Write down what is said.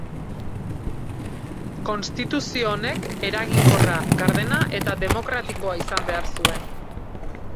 Konstituzio honek eraginkorra, gardena eta demokratikoa izan behar zuen.